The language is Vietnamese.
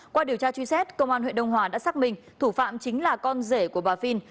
qua điều tra truy xét công an huyện đông hòa đã xác minh thủ phạm chính là con rể của bà phiên